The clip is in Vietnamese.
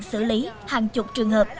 xử lý hàng chục trường hợp